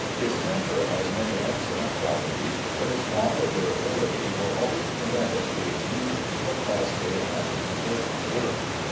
Distemper has many excellent qualities, but its want of durability will always prevent its being used for costly and important work.